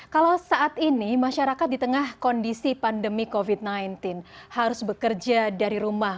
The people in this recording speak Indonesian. kalau saat ini masyarakat di tengah kondisi pandemi covid sembilan belas harus bekerja dari rumah